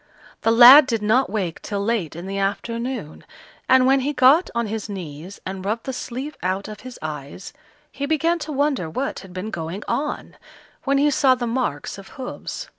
The lad did not wake till late in the afternoon, and when he got on his knees and rubbed the sleep out of his eyes, he began to wonder what had been going on, when he saw the marks of hoofs.